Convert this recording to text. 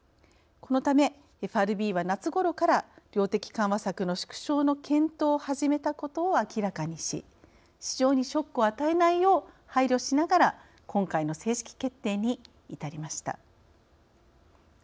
このため、ＦＲＢは夏ごろから量的緩和策の縮小の検討を始めたことを明らかにし市場にショックを与えないよう配慮しながら今回の正式決定に至りました。